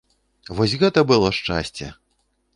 Вось гэта было шчасце!